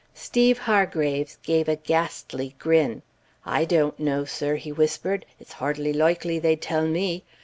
Steeve Hargraves gave a ghastly grin. "I doant know, sir," he whispered. "It's hardly loikely they'd tell me.